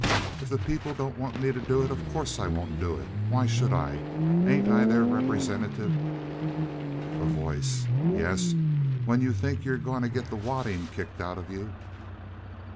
"If the people don't want me to do it, of course I won't do it. Why should I? Ain't I their representative?" A Voice. "Yes, when you think you're going to get the wadding kicked out of you."